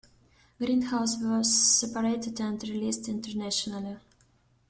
"Grindhouse" was separated and released internationally.